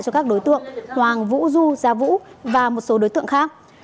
cho các đối tượng hoàng vũ du gia vũ và một số đối tượng khác